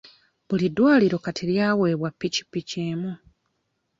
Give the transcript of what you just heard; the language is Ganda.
Buli ddwaliro kati lyaweebwa ppikippiki emu.